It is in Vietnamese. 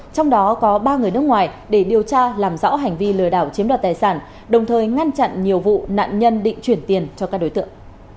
trong đó có ba người nước ngoài để điều tra làm rõ hành vi lừa đảo chiếm đoạt tài sản đồng thời ngăn chặn nhiều vụ nạn nhân định chuyển tiền cho các đối tượng